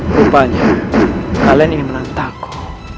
rupanya kalian ingin menentangku